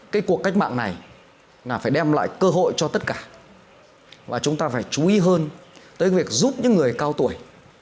cái cuộc cách mạng này là phải đem lại cơ hội cho tất cả và chúng ta phải chú ý hơn tới việc giúp những người cao tuổi